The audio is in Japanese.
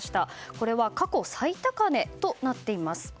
これは過去最高値となっています。